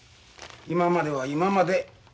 今までは今まで。